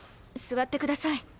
座ってください。